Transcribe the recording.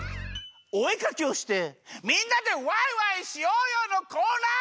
おえかきをしてみんなでワイワイしようよのコーナー！